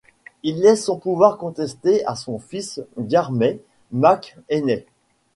Il laisse son pouvoir contesté à son fils Diarmait mac Énnai.